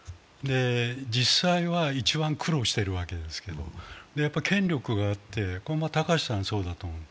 実際は一番苦労しているわけですけれども、権力があって、これは高橋さんがそうだと思う。